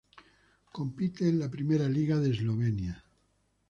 Compite en la Primera Liga de Eslovenia.